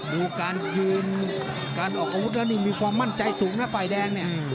ดูการยืนการออกมาพุดมีความมั่นใจสูงมาฝ่ายแดง